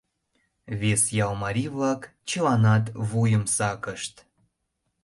Вес ял марий-влак чыланат вуйым сакышт.